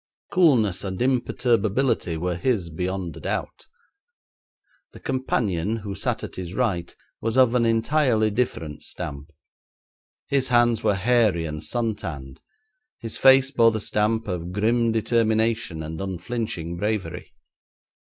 Coolness and imperturbability were his beyond a doubt. The companion who sat at his right was of an entirely different stamp. His hands were hairy and sun tanned; his face bore the stamp of grim determination and unflinching bravery.